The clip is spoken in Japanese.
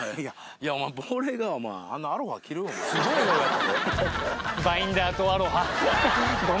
いやお前すごいよだって。